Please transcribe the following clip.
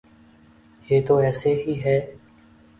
یہ تو ایسے ہی ہے۔